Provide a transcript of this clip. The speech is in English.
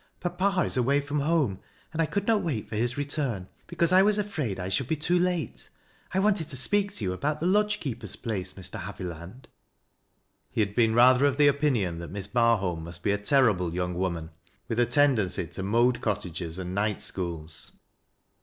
Papa is away from home, and I could not wait for his return, because 1 was afraid I should be too late. I wanted to speak to yot %bout the lodge keeper's place, Mr. Haviland." He had been rather of the opinion that Miss Barliolii must be a terrible young woman, with a tendency to modu cottages and night schools.